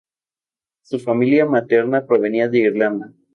Su familia materna provenía de Irlanda.